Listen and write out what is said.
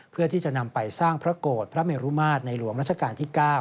เพื่อที่จะนำไปสร้างพระโกรธพระเมรุมาตรในหลวงรัชกาลที่๙